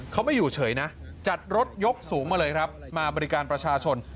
เขาไม่อยู่เฉยนะจัดรถยกสูงมาเลยครับมาบริการประชาชน